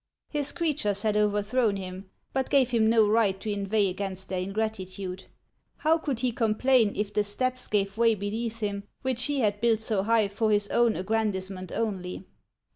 His creatures had overthrown him, but gave him no right to inveigh against their in gratitude. How could he complain if the steps gave way beneath him, which he had built so high for his own aggrandizement only